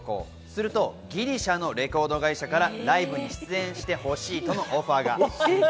すると、ギリシャのレコード会社からライブに出演してほしいとのオファーが。